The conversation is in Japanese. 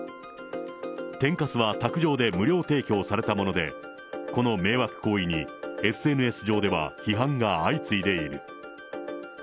天かすは卓上で無料提供されたもので、この迷惑行為に、ＳＮＳ上では批判が相次いでいる。